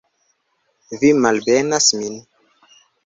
Vi malbenas min?